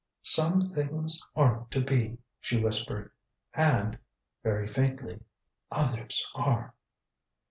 "Some things aren't to be," she whispered. "And" very faintly "others are."